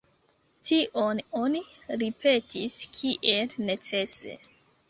Tion oni ripetis kiel necese.